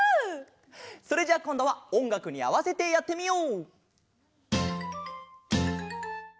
それじゃあこんどはおんがくにあわせてやってみよう！